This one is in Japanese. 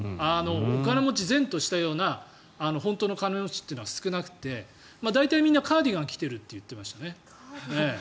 お金持ち然としたような本当の金持ちっていうのは少なくて大体みんなカーディガン着ているって言ってました。